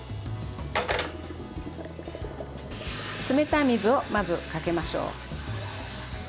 冷たい水をまずかけましょう。